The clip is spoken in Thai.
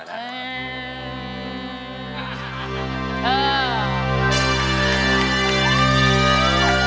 เดี๋ยว